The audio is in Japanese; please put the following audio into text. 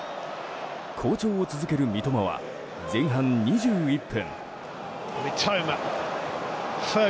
好調を続ける三笘は前半２１分。